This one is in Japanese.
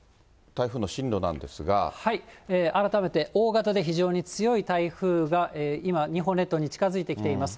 改めて、大型で非常に強い台風が今、日本列島に近づいてきています。